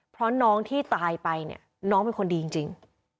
เพราะน้องที่ตายไปเนี่ยน้องเป็นคนดีจริง